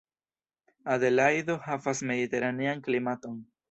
Adelajdo havas mediteranean klimaton.